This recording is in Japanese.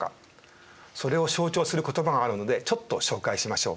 それを象徴する言葉があるのでちょっと紹介しましょう。